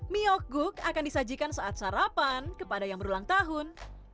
myokguk akan disajikan saat sarapan kepada yang berulang tahun